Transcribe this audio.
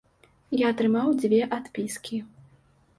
Я атрымаў дзве адпіскі.